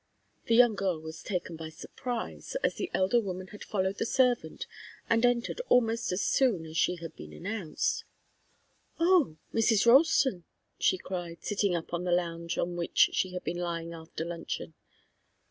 The young girl was taken by surprise, as the elder woman had followed the servant and entered almost as soon as she had been announced. "Oh Mrs. Ralston!" she cried, sitting up on the lounge on which she had been lying after luncheon.